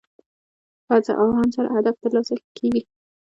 په هڅه او هاند سره هر هدف ترلاسه کېږي.